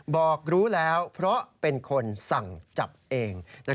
บอกรู้แล้วเพราะเป็นคนสั่งจับเอง